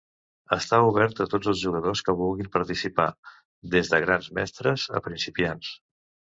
Està obert a tots els jugadors que vulguin participar, des de Grans Mestres a principiants.